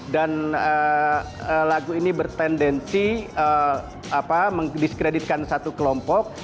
dan lagu ini bertendensi mengkreditkan satu kelompok